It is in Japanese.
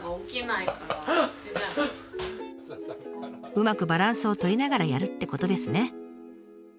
うまくバランスを取りながらやるってことですね。